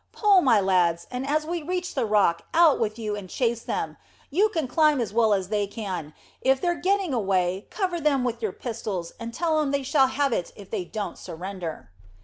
Pull, my lads, and as we reach the rock, out with you and chase them; you can climb as well as they can. If they're getting away, cover them with your pistols, and tell 'em they shall have it if they don't surrender."